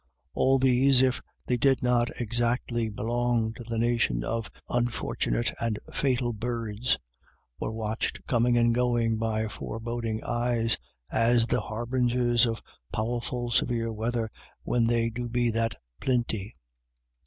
229 All these, if they did not exactly belong to " the nation of unfortunate and fatal birds," were watched coming and going by foreboding eyes, as the harbingers of " powerful severe weather when they do be that plinty."